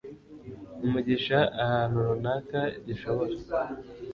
umugisha ahantu runaka gishobora